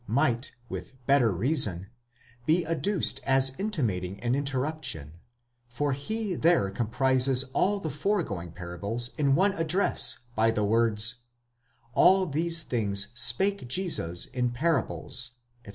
might, with better reason, be adduced as intimating an interruption, for he there comprises all the foregoing parables in one address by the words, AW these things spake Jesus in parables, etc.